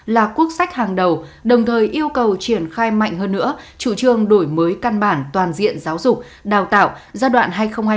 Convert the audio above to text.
là quốc sách hàng đầu đồng thời yêu cầu triển khai mạnh hơn nữa chủ trương đổi mới căn bản toàn diện giáo dục đào tạo giai đoạn hai nghìn hai mươi hai nghìn hai mươi năm